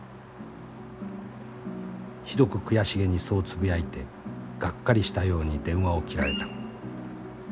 ひどく悔しげにそうつぶやいてがっかりしたように電話を切られた。